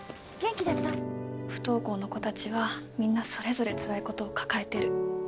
不登校の子たちはみんな、それぞれつらいことを抱えてる。